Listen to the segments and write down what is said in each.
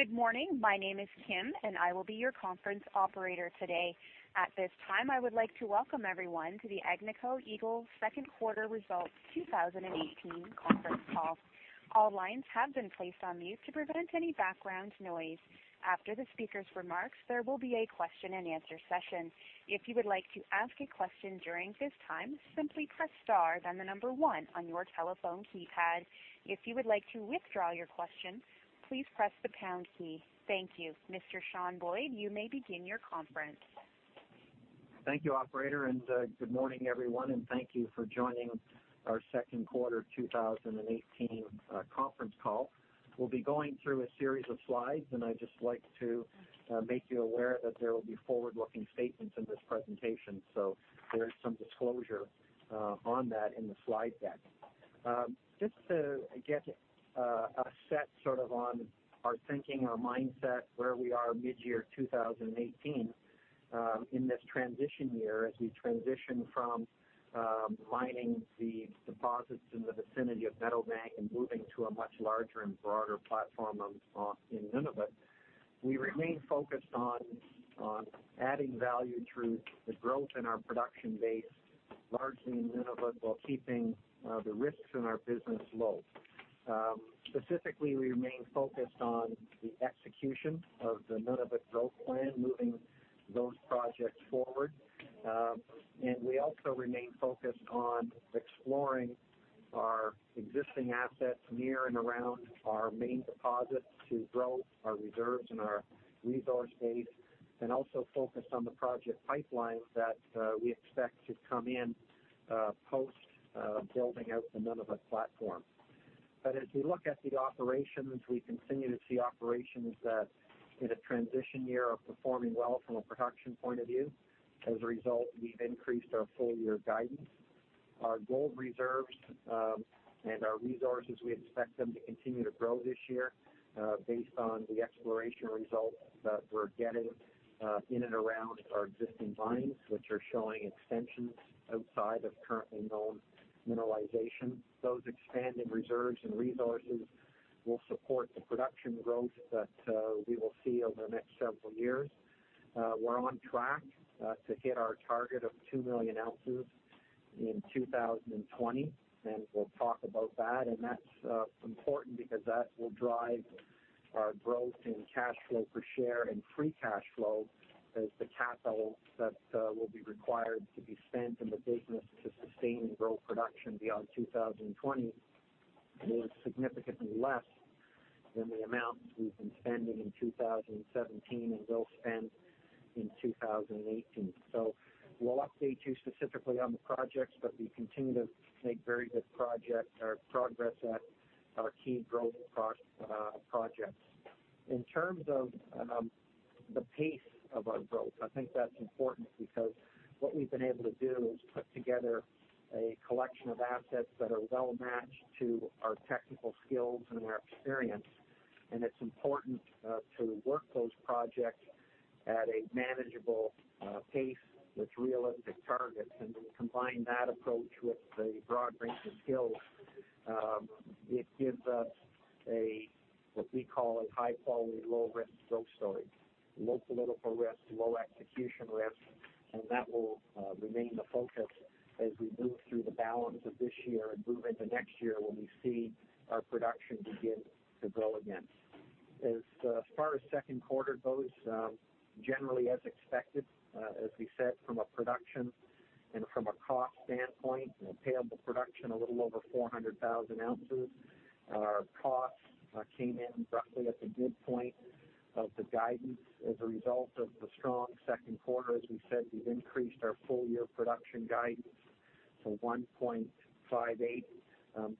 Good morning. My name is Kim, and I will be your conference operator today. At this time, I would like to welcome everyone to the Agnico Eagle Second Quarter Results 2018 conference call. All lines have been placed on mute to prevent any background noise. After the speaker's remarks, there will be a question and answer session. If you would like to ask a question during this time, simply press star, then the number 1 on your telephone keypad. If you would like to withdraw your question, please press the pound key. Thank you. Mr. Sean Boyd, you may begin your conference. Thank you, operator. Good morning, everyone, and thank you for joining our second quarter 2018 conference call. We'll be going through a series of slides, and I'd just like to make you aware that there will be forward-looking statements in this presentation, so there is some disclosure on that in the slide deck. Just to get a set on our thinking, our mindset, where we are mid-year 2018 in this transition year, as we transition from mining the deposits in the vicinity of Meadowbank and moving to a much larger and broader platform in Nunavut. We remain focused on adding value through the growth in our production base, largely in Nunavut, while keeping the risks in our business low. Specifically, we remain focused on the execution of the Nunavut growth plan, moving those projects forward. We also remain focused on exploring our existing assets near and around our main deposits to grow our reserves and our resource base, and also focused on the project pipeline that we expect to come in post building out the Nunavut platform. As we look at the operations, we continue to see operations that in a transition year are performing well from a production point of view. As a result, we've increased our full-year guidance. Our gold reserves and our resources, we expect them to continue to grow this year based on the exploration results that we're getting in and around our existing mines, which are showing extensions outside of currently known mineralization. Those expanding reserves and resources will support the production growth that we will see over the next several years. We're on track to hit our target of 2 million ounces in 2020, and we'll talk about that. That's important because that will drive our growth in cash flow per share and free cash flow as the capital that will be required to be spent in the business to sustain and grow production beyond 2020 is significantly less than the amount we've been spending in 2017 and will spend in 2018. We'll update you specifically on the projects, but we continue to make very good progress at our key growth projects. In terms of the pace of our growth, I think that's important because what we've been able to do is put together a collection of assets that are well-matched to our technical skills and our experience. It's important to work those projects at a manageable pace with realistic targets. When we combine that approach with a broad range of skills, it gives us what we call a high-quality, low-risk growth story, low political risk, low execution risk. That will remain the focus as we move through the balance of this year and move into next year when we see our production begin to grow again. As far as second quarter goes, generally as expected, as we said from a production and from a cost standpoint, payable production a little over 400,000 ounces. Our costs came in roughly at the midpoint of the guidance. As a result of the strong second quarter, as we said, we've increased our full-year production guidance to 1.58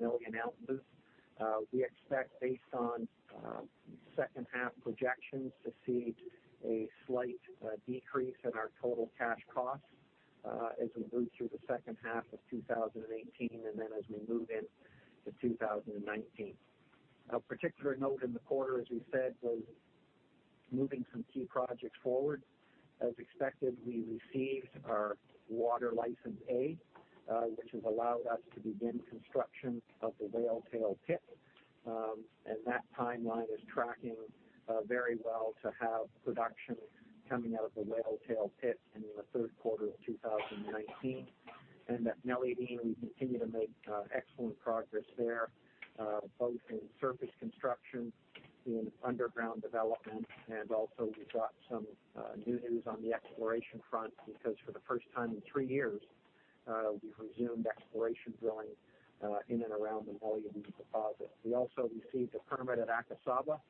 million ounces. We expect, based on second half projections, to see a slight decrease in our total cash costs as we move through the second half of 2018 and then as we move into 2019. Of particular note in the quarter, as we said, was moving some key projects forward. As expected, we received our Water License A, which has allowed us to begin construction of the Whale Tail pit. That timeline is tracking very well to have production coming out of the Whale Tail pit in the third quarter of 2019. At Meliadine, we continue to make excellent progress there, both in surface construction, in underground development. Also, we got some new news on the exploration front because for the first time in three years, we've resumed exploration drilling in and around the Meliadine deposit. We also received a permit at Akasaba.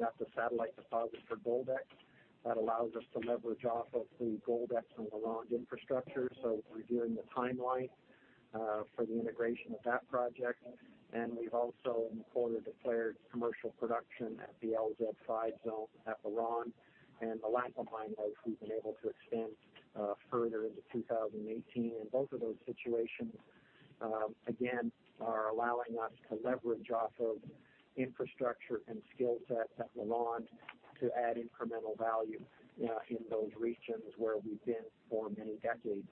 That's a satellite deposit for Goldex that allows us to leverage off of the Goldex and LaRonde infrastructure. We're viewing the timeline for the integration of that project. We've also, in the quarter, declared commercial production at the LZ5 zone at LaRonde and the Lac des Aigles Mine that we've been able to extend further into 2018. Both of those situations, again, are allowing us to leverage off of infrastructure and skill sets at LaRonde to add incremental value in those regions where we've been for many decades.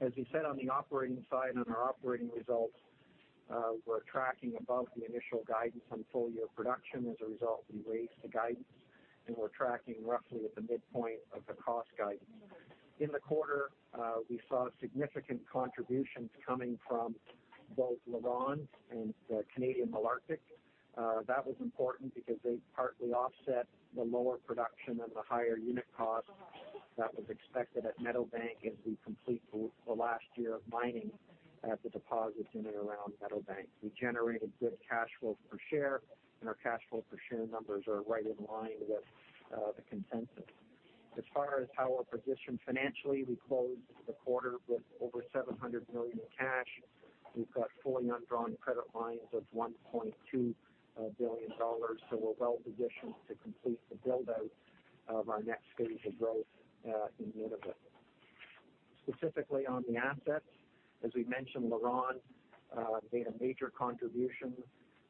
As we said on the operating side, on our operating results, we're tracking above the initial guidance on full-year production. As a result, we raised the guidance. We're tracking roughly at the midpoint of the cost guidance. In the quarter, we saw significant contributions coming from both LaRonde and Canadian Malartic. That was important because they partly offset the lower production and the higher unit cost that was expected at Meadowbank as we complete the last year of mining at the deposits in and around Meadowbank. We generated good cash flow per share. Our cash flow per share numbers are right in line with the consensus. As far as how we're positioned financially, we closed the quarter with over 700 million in cash. We've got fully undrawn credit lines of 1.2 billion dollars. We're well positioned to complete the build-out of our next stage of growth in Nunavut. Specifically on the assets, as we mentioned, LaRonde made a major contribution,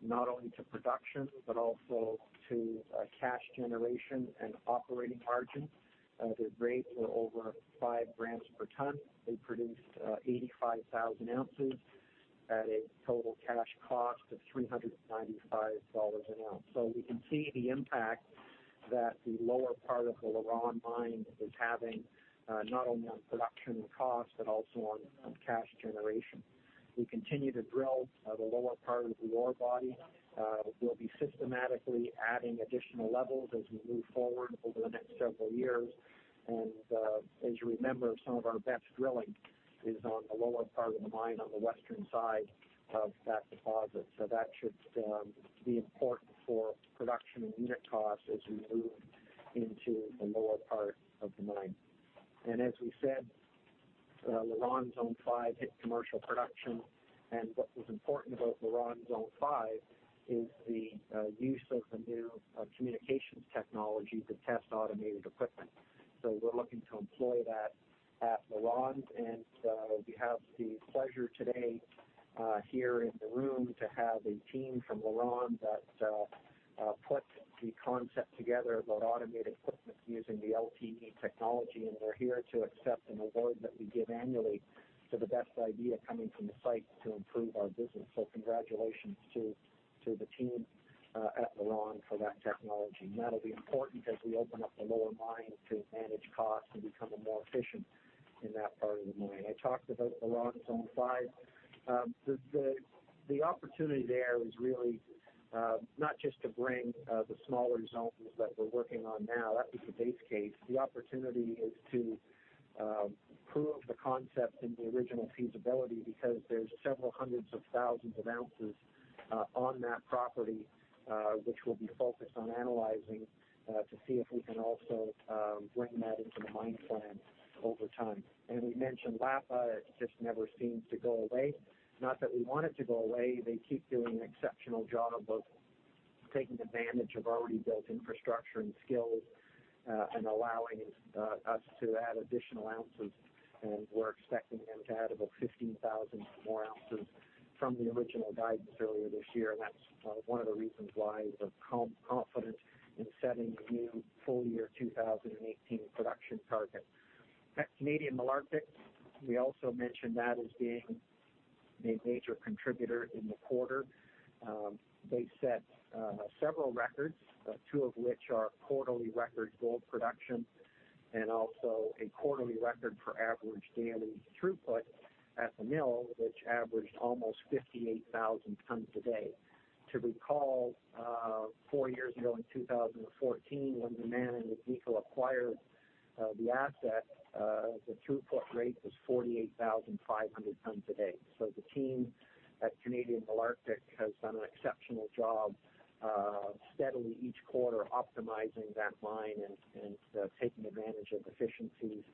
not only to production, but also to cash generation and operating margins. Their grades were over 5 grams per ton. They produced 85,000 ounces at a total cash cost of $395 an ounce. We can see the impact that the lower part of the LaRonde mine is having, not only on production and cost, but also on cash generation. We continue to drill the lower part of the ore body. We'll be systematically adding additional levels as we move forward over the next several years. As you remember, some of our best drilling is on the lower part of the mine on the western side of that deposit. That should be important for production and unit cost as we move into the lower part of the mine. As we said, LaRonde Zone 5 hit commercial production, and what was important about LaRonde Zone 5 is the use of the new communications technology to test automated equipment. We're looking to employ that at LaRonde, and we have the pleasure today here in the room to have a team from LaRonde that put the concept together about automated equipment using the LTE technology, and they're here to accept an award that we give annually to the best idea coming from the site to improve our business. Congratulations to the team at LaRonde for that technology. That'll be important as we open up the lower mine to manage costs and become more efficient in that part of the mine. I talked about LaRonde Zone 5. The opportunity there is really not just to bring the smaller zones that we're working on now, that was the base case. The opportunity is to prove the concept in the original feasibility because there's several hundreds of thousands of ounces on that property, which we'll be focused on analyzing to see if we can also bring that into the mine plan over time. We mentioned Lapa. It just never seems to go away. Not that we want it to go away. They keep doing an exceptional job of taking advantage of already built infrastructure and skills, and allowing us to add additional ounces, and we're expecting them to add about 15,000 more ounces from the original guidance earlier this year, and that's one of the reasons why we're confident in setting the new full-year 2018 production target. At Canadian Malartic, we also mentioned that as being a major contributor in the quarter. They set several records, two of which are quarterly record gold production, and also a quarterly record for average daily throughput at the mill, which averaged almost 58,000 tons a day. To recall, four years ago in 2014, when the Yamana and Agnico acquired the asset, the throughput rate was 48,500 tons a day. The team at Canadian Malartic has done an exceptional job steadily each quarter optimizing that mine and taking advantage of efficiencies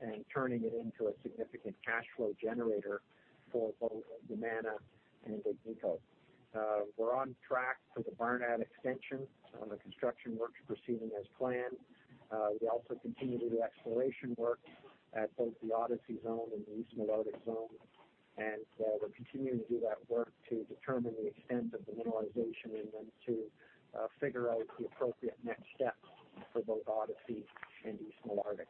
and turning it into a significant cash flow generator for both Yamana and Agnico. We're on track for the Barnat extension. The construction work's proceeding as planned. We also continue to do exploration work at both the Odyssey zone and the East Malartic zone, and we're continuing to do that work to determine the extent of the mineralization in them to figure out the appropriate next steps for both Odyssey and East Malartic.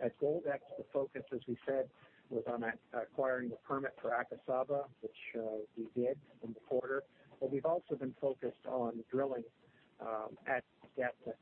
At Goldex, the focus, as we said, was on acquiring the permit for Akasaba, which we did in the quarter. We've also been focused on drilling at depth at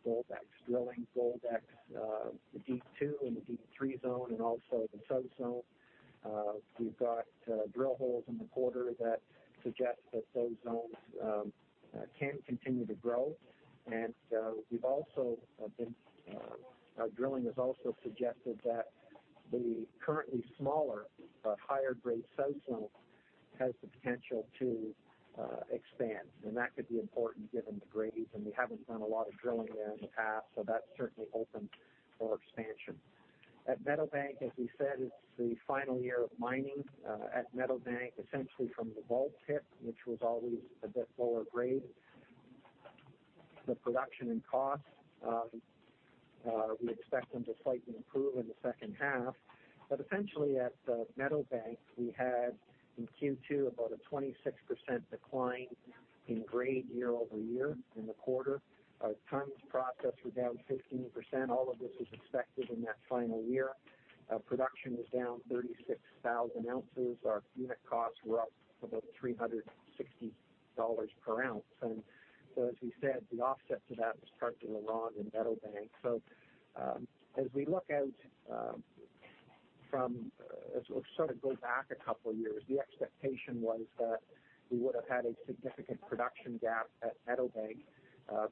we would have had a significant production gap at Meadowbank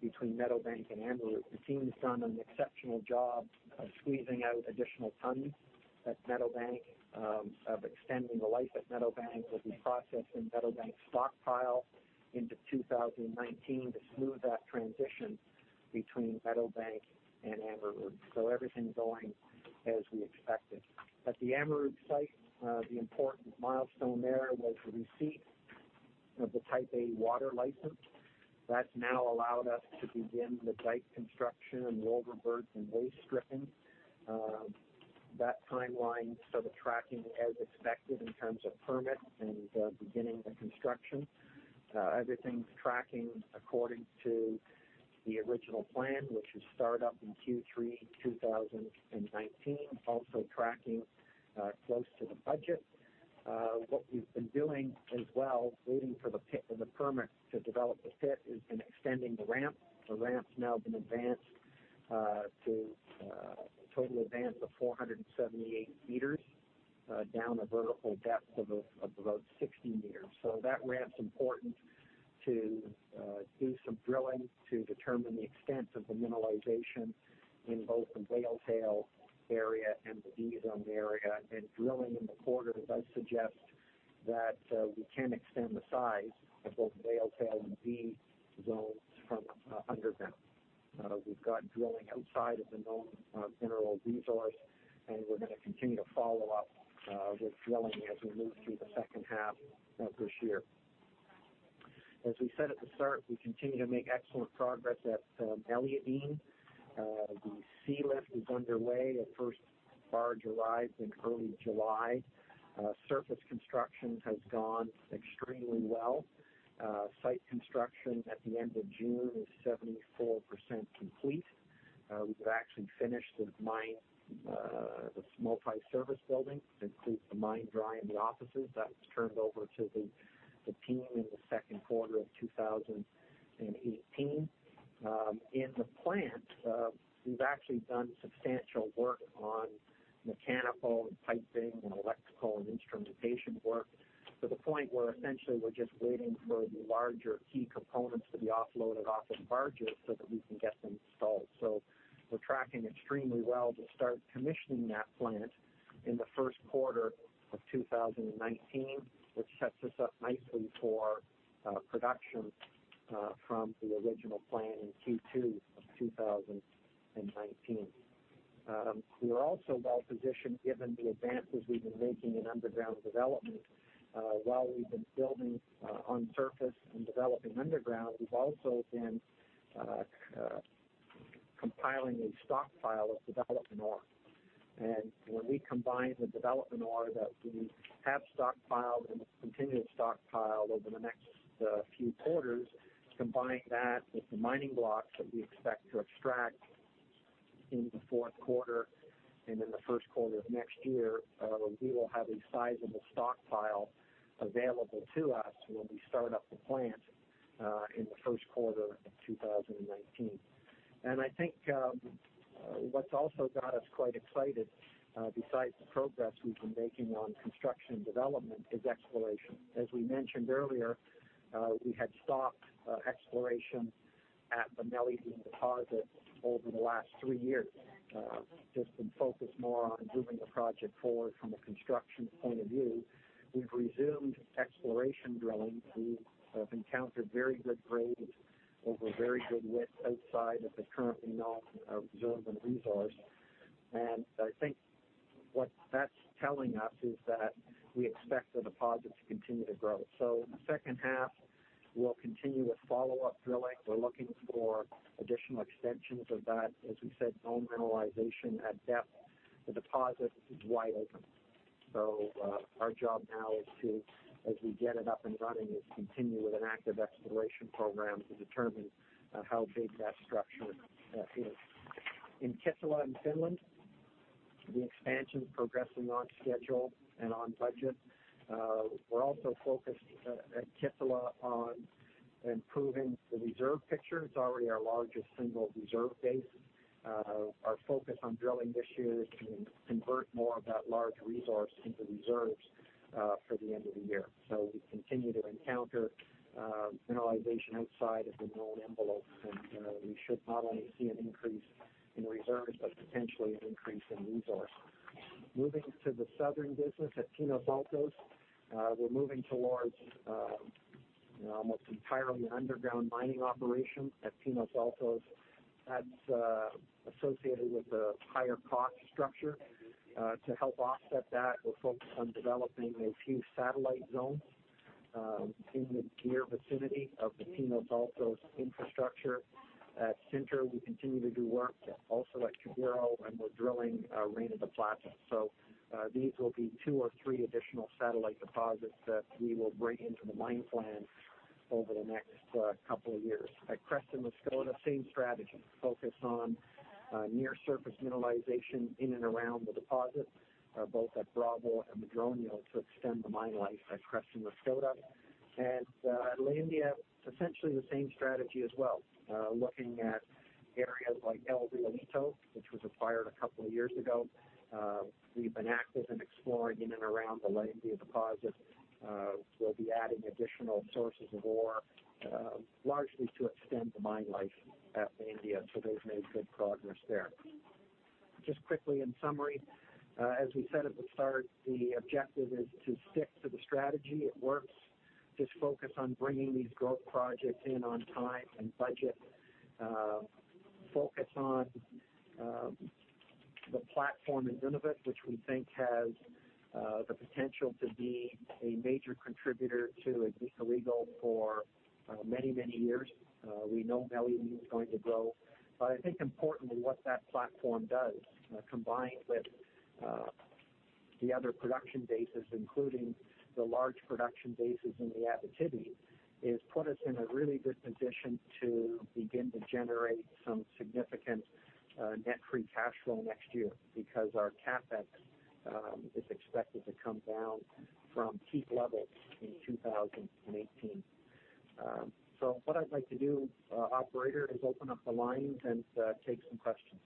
between Meadowbank and Amaruq. The team's done an exceptional job of squeezing out additional tons at Meadowbank, of extending the life at Meadowbank. We'll be processing Meadowbank stockpile into 2019 to smooth that transition between Meadowbank and Amaruq. Everything's going as we expected. At the Amaruq site, the important milestone there was the receipt of the Type A Water License. That's now allowed us to begin the dike construction and overburden and waste stripping. That timeline's sort of tracking as expected in terms of permits and beginning the construction. Everything's tracking according to the original plan, which is start up in Q3 2019, also tracking close to the budget. What we've been doing as well, waiting for the permit to develop the pit, has been extending the ramp. The ramp's now been advanced to a total advance of 478 meters, down a vertical depth of about 60 meters. Drilling in the quarter does suggest that we can extend the size of both Whale Tail area and the V Zone area. We've got drilling outside of the known mineral resource, we're going to continue to follow up with drilling as we move through the second half of this year. As we said at the start, we continue to make excellent progress at Meliadine. The sea lift is underway. The first barge arrived in early July. Surface constructions has gone extremely well. Site construction at the end of June is 74% complete. We've actually finished the multi-service building. It includes the mine dry and the offices. That was turned over to the team in the second quarter of 2018. In the plant, we've actually done substantial work on mechanical and piping and electrical and instrumentation work to the point where essentially we're just waiting for the larger key components to be offloaded off of barges so that we can get them installed. We're tracking extremely well to start commissioning that plant in the first quarter of 2019, which sets us up nicely for production from the original plan in Q2 of 2019. We are also well positioned given the advances we've been making in underground development. While we've been building on surface and developing underground, we've also been compiling a stockpile of development ore. When we combine the development ore that we have stockpiled and will continue to stockpile over the next few quarters, combine that with the mining blocks that we expect to extract in the fourth quarter and in the first quarter of next year, we will have a sizable stockpile available to us when we start up the plant in the first quarter of 2019. I think what's also got us quite excited, besides the progress we've been making on construction and development, is exploration. As we mentioned earlier, we had stopped exploration at the Meliadine deposit over the last three years, just been focused more on moving the project forward from a construction point of view. We've resumed exploration drilling. We have encountered very good grades over very good width outside of the currently known reserved and resourced. I think what that's telling us is that we expect the deposit to continue to grow. In the second half, we'll continue with follow-up drilling. We're looking for additional extensions of that, as we said, known mineralization at depth. The deposit is wide open. Our job now is to, as we get it up and running, is continue with an active exploration program to determine how big that structure is. In Kittilä in Finland, the expansion's progressing on schedule and on budget. We're also focused at Kittilä on improving the reserve picture. It's already our largest single reserve base. Our focus on drilling this year is to convert more of that large resource into reserves for the end of the year. We continue to encounter mineralization outside of the known envelope, and we should not only see an increase in reserves, but potentially an increase in resource. Moving to the southern business at Pinos Altos, we're moving towards almost entirely underground mining operation at Pinos Altos. That's associated with a higher cost structure. To help offset that, we're focused on developing a few satellite zones in the near vicinity of the Pinos Altos infrastructure. At Centro, we continue to do work also at Cubiro, and we're drilling Reina de Plata. These will be two or three additional satellite deposits that we will bring into the mine plan Over the next couple of years. At Creston Mascota, same strategy, focus on near surface mineralization in and around the deposit, both at Bravo and Madrono to extend the mine life at Creston Mascota. La India, essentially the same strategy as well, looking at areas like El Realito, which was acquired a couple of years ago. We've been active in exploring in and around the La India deposit. We'll be adding additional sources of ore, largely to extend the mine life at La India. They've made good progress there. Just quickly in summary, as we said at the start, the objective is to stick to the strategy. It works. Just focus on bringing these growth projects in on time and budget. Focus on the platform in Nunavut, which we think has the potential to be a major contributor to Agnico Eagle for many years. We know Meliadine is going to grow, I think importantly, what that platform does, combined with the other production bases, including the large production bases in the Abitibi, is put us in a really good position to begin to generate some significant net free cash flow next year because our CapEx is expected to come down from peak levels in 2018. What I'd like to do, operator, is open up the lines and take some questions.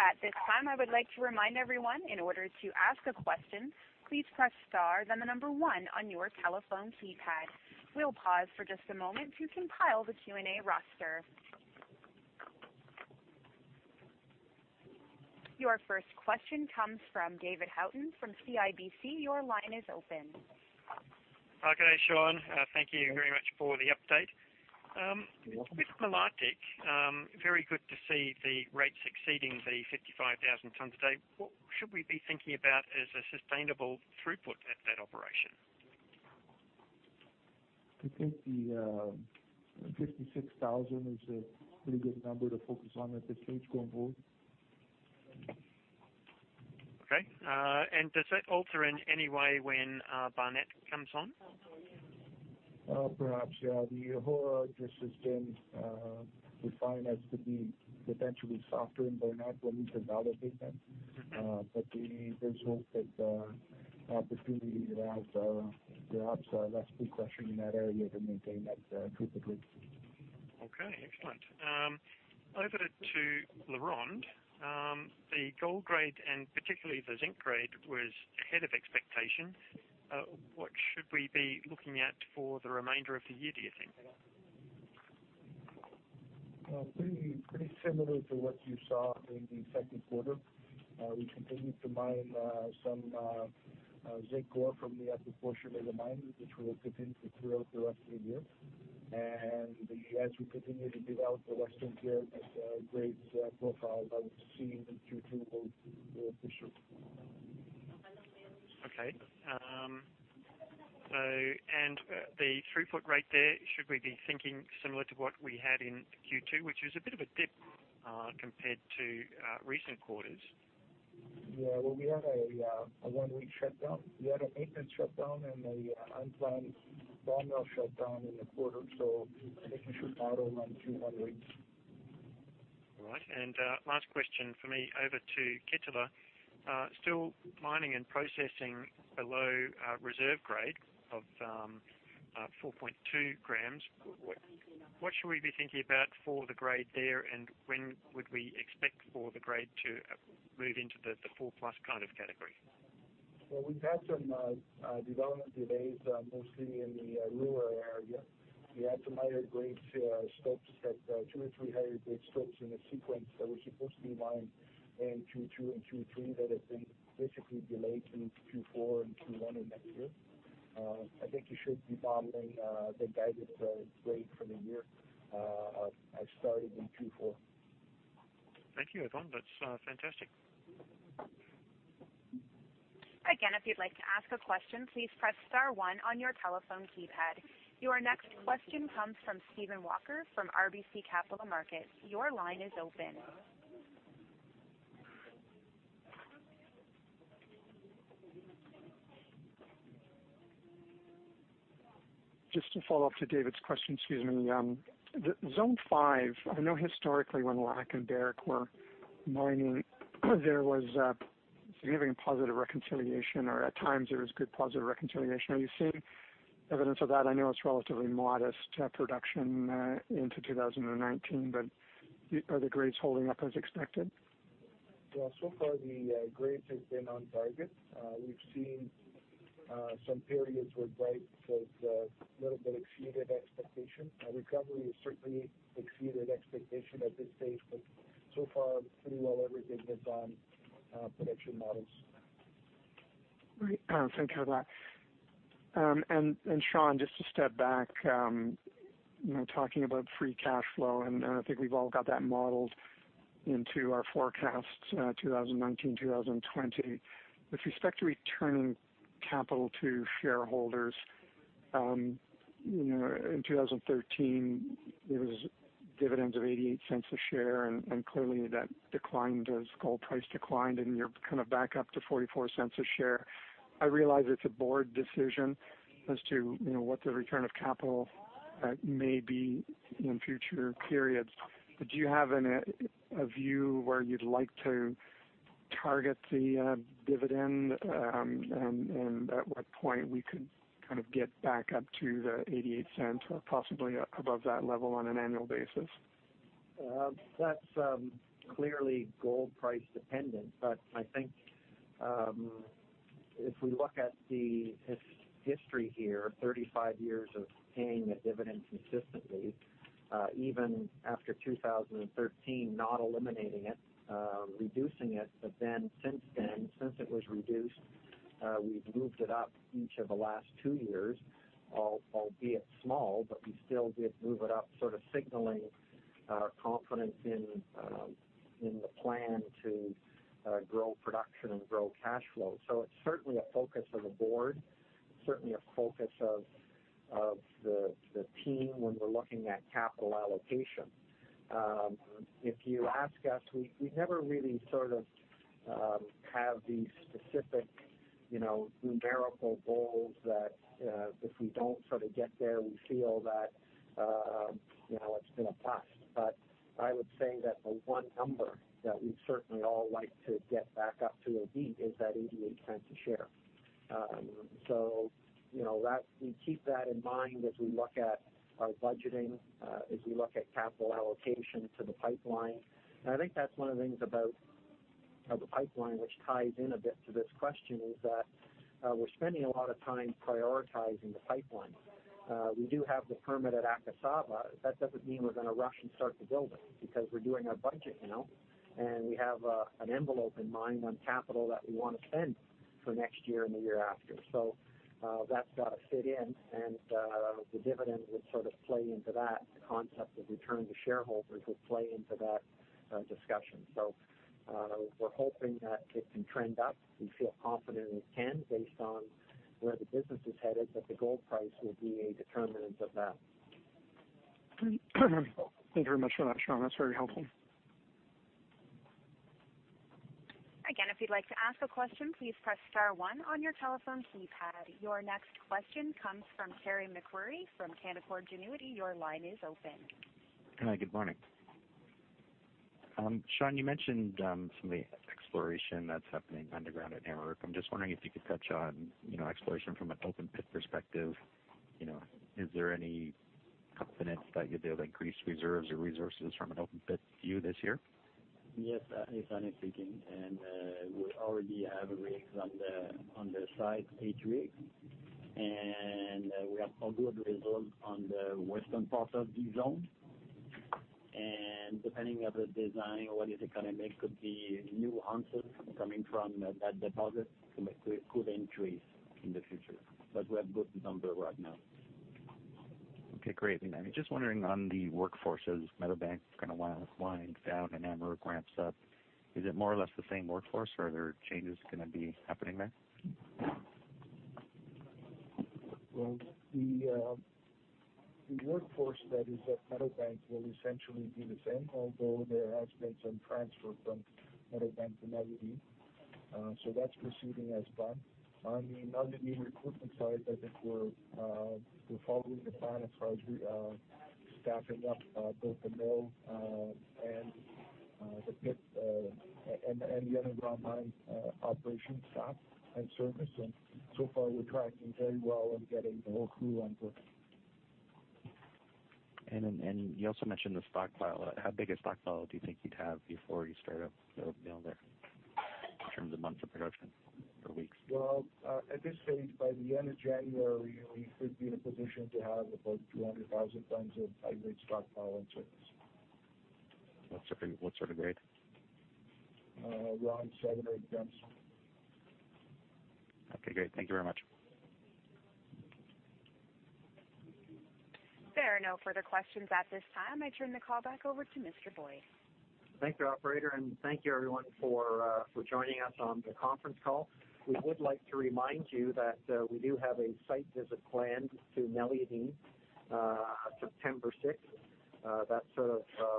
At this time, I would like to remind everyone, in order to ask a question, please press star then the number one on your telephone keypad. We'll pause for just a moment to compile the Q&A roster. Your first question comes from David Haughton from CIBC. Your line is open. Hi. Good day, Sean. Thank you very much for the update. You're welcome. With Malartic, very good to see the rates exceeding the 55,000 tons a day. What should we be thinking about as a sustainable throughput at that operation? I think the 56,000 is a pretty good number to focus on at this stage going forward. Okay. Does that alter in any way when Barnat comes on? Perhaps, yeah. The ore just has been defined as to be potentially softer than Barnat when we develop it then. There's hope that opportunity allows perhaps less pre-crushing in that area to maintain that throughput rate. Okay, excellent. Over to LaRonde. The gold grade and particularly the zinc grade was ahead of expectation. What should we be looking at for the remainder of the year, do you think? Pretty similar to what you saw in the second quarter. We continued to mine some zinc ore from the upper portion of the mine, which we will continue throughout the rest of the year. As we continue to develop the western pit, this grade profile I would see in Q2 will be for sure. Okay. The throughput rate there, should we be thinking similar to what we had in Q2, which was a bit of a dip compared to recent quarters? Well, we had a one-week shutdown. We had a maintenance shutdown and an unplanned SAG mill shutdown in the quarter. I think you should model on two one-weeks. All right. Last question from me. Over to Kittilä. Still mining and processing below reserve grade of 4.2 grams. What should we be thinking about for the grade there, and when would we expect for the grade to move into the 4-plus kind of category? Well, we've had some development delays, mostly in the lower area. We had some higher grade stopes that, two or three higher grade stopes in a sequence that were supposed to be mined in Q2 and Q3 that have been basically delayed into Q4 and Q1 of next year. I think you should be modeling the guided grade for the year, starting in Q4. Thank you, Ivan. That's fantastic. Again, if you'd like to ask a question, please press star one on your telephone keypad. Your next question comes from Stephen Walker from RBC Capital Markets. Your line is open. Just to follow up to David's question, excuse me. Zone 5, I know historically when Lac and Barrick were mining, there was a significant positive reconciliation, or at times there was good positive reconciliation. Are you seeing evidence of that? I know it's relatively modest production into 2019, but are the grades holding up as expected? Well, so far the grades have been on target. We've seen some periods where grades have a little bit exceeded expectation. Recovery has certainly exceeded expectation at this stage, but so far pretty well everything has been on production models. Great. Thank you for that. Sean, just to step back, talking about free cash flow, and I think we've all got that modeled into our forecasts 2019, 2020. With respect to returning capital to shareholders In 2013, there was dividends of 0.88 a share, and clearly that declined as gold price declined, and you're kind of back up to 0.44 a share. I realize it's a board decision as to what the return of capital may be in future periods, but do you have a view where you'd like to target the dividend, and at what point we could kind of get back up to the 0.88 or possibly above that level on an annual basis? That's clearly gold price dependent. I think, if we look at the history here, 35 years of paying a dividend consistently, even after 2013, not eliminating it, reducing it. Since then, since it was reduced, we've moved it up each of the last two years, albeit small, but we still did move it up, sort of signaling confidence in the plan to grow production and grow cash flow. It's certainly a focus of the board, certainly a focus of the team when we're looking at capital allocation. If you ask us, we never really sort of have the specific numerical goals that if we don't sort of get there, we feel that it's been a bust. I would say that the one number that we'd certainly all like to get back up to or beat is that 0.88 a share. We keep that in mind as we look at our budgeting, as we look at capital allocation to the pipeline, I think that's one of the things about the pipeline which ties in a bit to this question, is that we're spending a lot of time prioritizing the pipeline. We do have the permit at Akasaba. That doesn't mean we're going to rush and start to build it, because we're doing our budget now, and we have an envelope in mind on capital that we want to spend for next year and the year after. That's got to fit in and the dividend would sort of play into that. The concept of return to shareholders would play into that discussion. We're hoping that it can trend up. We feel confident it can based on where the business is headed, the gold price will be a determinant of that. Thank you very much for that, Sean. That's very helpful. Again, if you'd like to ask a question, please press star one on your telephone keypad. Your next question comes from Carey MacRury from Canaccord Genuity. Your line is open. Hi, good morning. Sean, you mentioned some of the exploration that's happening underground at Amaruq. I'm just wondering if you could touch on exploration from an open pit perspective. Is there any confidence that you'll be able to increase reserves or resources from an open pit view this year? Yes. It's Alain speaking, we already have rigs on the site, eight rigs, we have all good results on the western part of the zone. Depending on the design, what is economic could be new answers coming from that deposit could increase in the future. We have good number right now. Okay, great. I'm just wondering on the workforces, Meadowbank kind of winds down and Amaruq ramps up. Is it more or less the same workforce or are there changes going to be happening there? Well, the workforce that is at Meadowbank will essentially be the same, although there has been some transfer from Meadowbank to Meliadine, so that is proceeding as planned. On the Meliadine recruitment side, I think we are following the plan as far as staffing up both the mill, and the pit, and the underground mine operation staff and service, and so far we are tracking very well and getting the whole crew on board. You also mentioned the stockpile. How big a stockpile do you think you would have before you start up the mill there in terms of months of production or weeks? Well, at this stage, by the end of January, we should be in a position to have about 200,000 tons of high-grade stockpile in service. What sort of grade? Around seven or eight grams. Okay, great. Thank you very much. There are no further questions at this time. I turn the call back over to Mr. Boyd. Thank you, operator, and thank you everyone for joining us on the conference call. We would like to remind you that we do have a site visit planned to Meliadine, September 6th. That's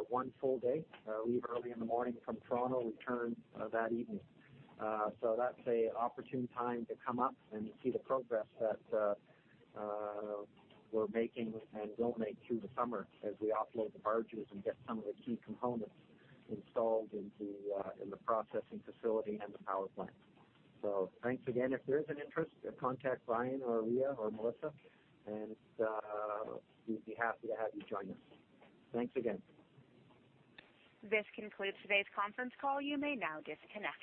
one full day. Leave early in the morning from Toronto, return that evening. That's an opportune time to come up and see the progress that we're making and will make through the summer as we offload the barges and get some of the key components installed in the processing facility and the power plant. Thanks again. If there is an interest, contact Ryan or Ria or Melissa, and we'd be happy to have you join us. Thanks again. This concludes today's conference call. You may now disconnect.